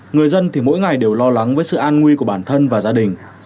người dân thì mỗi ngày đều lo lắng với sự an nguy của bản thân và gia đình